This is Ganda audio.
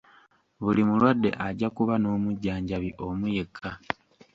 Buli mulwadde ajja kuba n'omujjanjabi omu yekka.